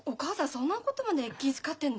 そんなことまで気遣ってんの？